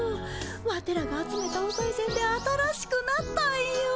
ワテらが集めたおさいせんで新しくなったんよ。